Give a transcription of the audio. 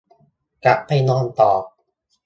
กลับไปนอนต่อ